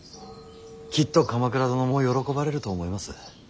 きっと鎌倉殿も喜ばれると思います。